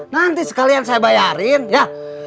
nanti sekalian saya bayarin ya